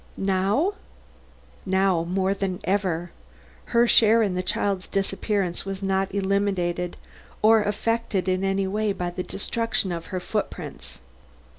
"Now?" "Now, more than ever. Her share in the child's disappearance was not eliminated or affected in any way by the destruction of her footprints."